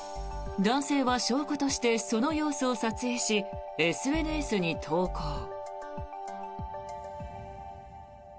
男性は証拠としてその様子を撮影しＳＮＳに投稿。